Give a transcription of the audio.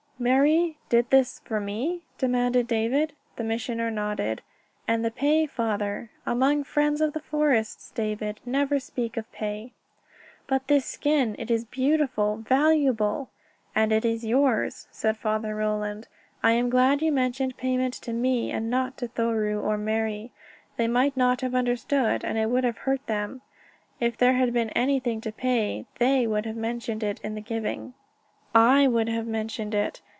"Marie ... did this ... for me?" demanded David. The Missioner nodded. "And the pay, Father...." "Among friends of the forests, David, never speak of pay." "But this skin! It is beautiful valuable...." "And it is yours," said Father Roland. "I am glad you mentioned payment to me, and not to Thoreau or Marie. They might not have understood, and it would have hurt them. If there had been anything to pay, they would have mentioned it in the giving; I would have mentioned it.